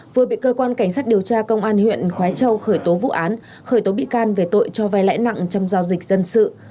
vừa bị cơ quan cảnh sát điều tra công an huyện khói châu khởi tố vụ án khởi tố bị can về tội cho vai lãi nặng trong giao dịch dân sự